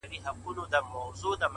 ستا وه څادرته ضروت لرمه،